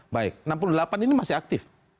baik enam puluh delapan ini masih aktif